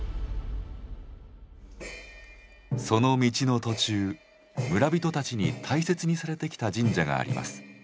その道の途中村人たちに大切にされてきた神社があります。